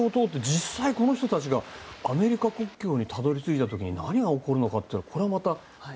実際、この人たちがアメリカ国境にたどり着いた時に何が起こるのかというのはこれはまた。